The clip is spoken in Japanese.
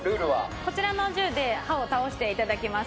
こちらの銃で歯を倒していただきます。